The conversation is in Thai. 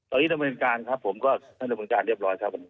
ตอนนี้ดำเนินการครับผมก็ให้ดำเนินการเรียบร้อยครับผม